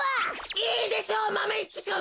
いいでしょうマメ１くん！